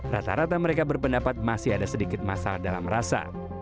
rata rata mereka berpendapat masih ada sedikit masalah dalam rasa